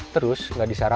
terus nggak disalahkan